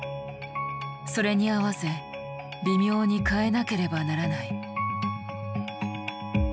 それに合わせ微妙に変えなければならない。